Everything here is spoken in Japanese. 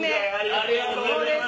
ありがとうございます。